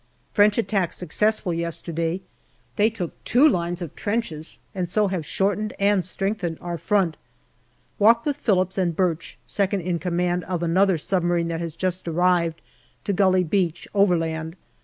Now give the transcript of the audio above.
French attack successful yesterday. They took two lines of trenches, and so have shortened and strengthened our front. Walked with Phillips and Birch (second in command of another sub marine that has just arrived) to Gully Beach, overland.